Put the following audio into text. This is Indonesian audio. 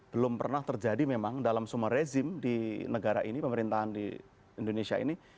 belum pernah terjadi memang dalam semua rezim di negara ini pemerintahan di indonesia ini